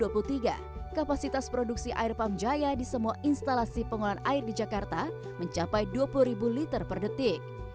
sampai awal dua ribu dua puluh tiga kapasitas produksi air pam jaya di semua instalasi pengolahan air di jakarta mencapai dua puluh ribu liter per detik